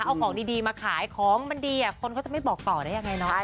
เอาของดีมาขายของมันดีคนเขาจะไม่บอกต่อได้ยังไงเนาะ